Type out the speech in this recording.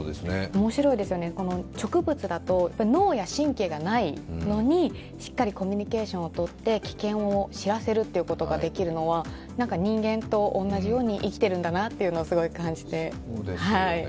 面白いですね、植物だと脳や神経がないのにしっかりコミュニケーションをとって危険を知らせることができるのは人間と同じように生きているんだなとすごい感じます。